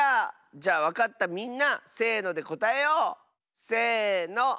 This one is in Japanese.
じゃわかったみんなせのでこたえよう！せの。